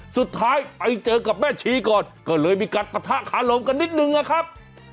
สุดท้ายไปเจอกับแม่ชีก่อนก็เลยมีการปะทะขาลมกันนิดนึงนะครับ